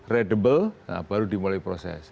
readable baru dimulai proses